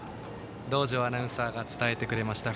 道上アナウンサーが伝えてくれました。